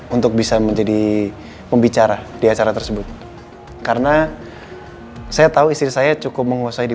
untuk bisa menjadi pembicara di acara tersebut karena saya tahu istri saya cukup menguasai di